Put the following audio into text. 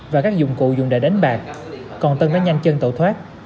và các dụng cụ dùng để đánh bạc còn tân đã nhanh chân tẩu thoát